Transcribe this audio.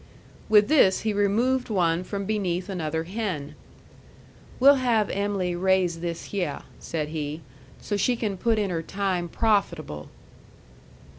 With this he removed one from beneath another hen. "We'll have Em'ly raise this hyeh," said he, "so she can put in her time profitable."